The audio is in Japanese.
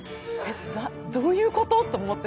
どういうこと？と思って。